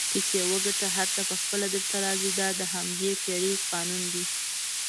پیسې وګټه هر څه پخپله درته راځي دا د همدې پیړۍ قانون دئ